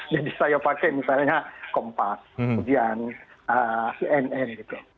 jadi saya pakai misalnya kompas ujian cnn gitu